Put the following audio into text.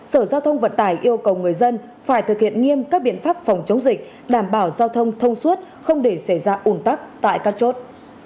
sở giao thông vận tải yêu cầu người dân phải thực hiện nghiêm các biện pháp phòng chống dịch đảm bảo giao thông thông suốt không để xảy ra ủn tắc tại các chốt